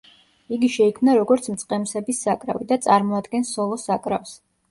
იგი შეიქმნა როგორც მწყემსების საკრავი და წარმოადგენს სოლო საკრავს.